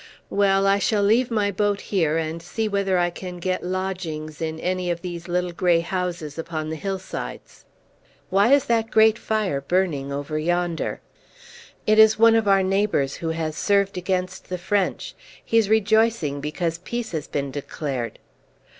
Well, I shall leave my boat here, and see whether I can get lodgings in any of these little grey houses upon the hillsides. Why is that great fire burning over yonder?" "It is one of our neighbours who has served against the French. He is rejoicing because peace has been declared."